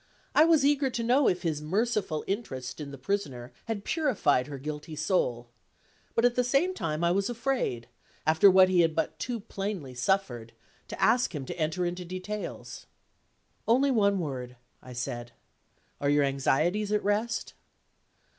I was eager to know if his merciful interest in the Prisoner had purified her guilty soul but at the same time I was afraid, after what he had but too plainly suffered, to ask him to enter into details. "Only one word," I said. "Are your anxieties at rest?"